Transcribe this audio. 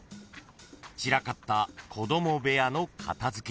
［散らかった子供部屋の片付け］